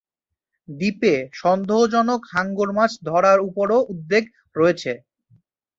দ্বীপে সন্দেহজনক হাঙ্গর মাছ ধরার উপরও উদ্বেগ রয়েছে।